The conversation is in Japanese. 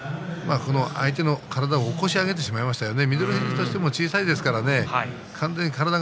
相手の体を起こし上げてしまいましたね。